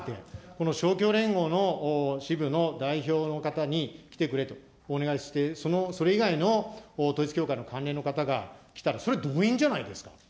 この勝共連合の支部の代表の方に来てくれとお願いして、それ以外の統一教会の関連の方が来たら、それ動員じゃないですか。